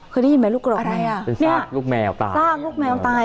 เคยได้ยินไหมลูกหรอกแมวเป็นซากลูกแมวตาย